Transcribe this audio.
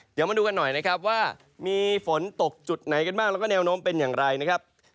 เดี๋ยวมาดูกันหน่อยนะครับว่ามีฝนตกจุดไหนกันบ้างแล้วก็แนวโน้มเป็นอย่างไรนะครับ